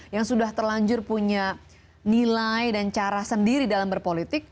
yang sudah terlanjur punya nilai dan cara sendiri dalam berpolitik